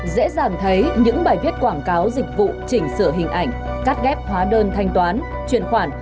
dễ dàng thấy những bài viết quảng cáo dịch vụ chỉnh sửa hình ảnh cắt ghép hóa đơn thanh toán chuyển khoản